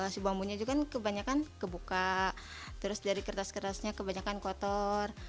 si bambunya juga kan kebanyakan kebuka terus dari kertas kertasnya kebanyakan kotor